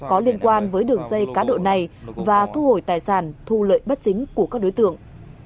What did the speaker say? có liên quan với đường dây cá độ này và thu hồi tài sản thu lợi bất chính của các đối tượng